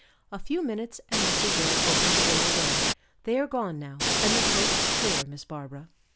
A few minutes and Mr. Dill opened the door again. "They are gone now, and the coast's clear, Miss Barbara."